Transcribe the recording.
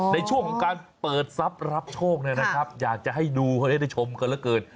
ในช่วงของการเปิดทรัพย์รับโชคเนี่ยนะครับอยากจะให้ดูให้ได้ชมกันเหลือเกิน